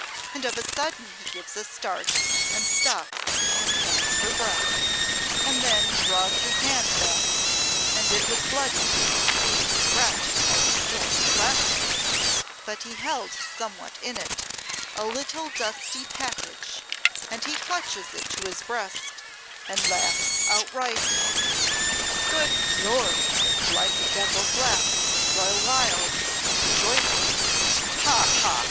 And of a sudden he gives a start and stops and pants for breath, and then draws his hand back, and it was bloody, being scratched by the stone and plaster, but he held somewhat in it, a little dusty package, and he clutches it to his breast and laughs outright. Good Lord, 'twas like a devil's laugh, 'twas so wild and joyful. 'Ha, ha!'